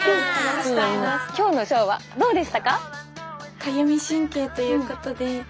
今日のショーはどうでしたか？